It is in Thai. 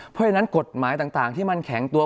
เพราะฉะนั้นกฎหมายต่างที่มันแข็งตัว